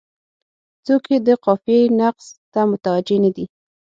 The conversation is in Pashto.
څوک یې د قافیې نقص ته متوجه نه دي.